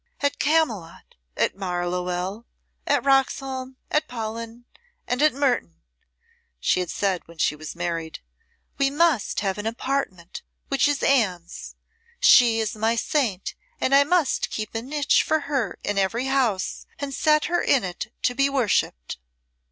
"At Camylott, at Marlowell, at Roxholm, at Paulyn, and at Mertoun," she had said when she was married, "we must have an apartment which is Anne's. She is my saint and I must keep a niche for her in every house and set her in it to be worshipped."